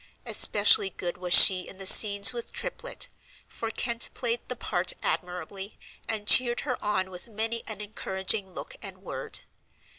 Especially good was she in the scenes with Triplet, for Kent played the part admirably, and cheered her on with many an encouraging look and word.